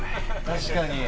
確かに！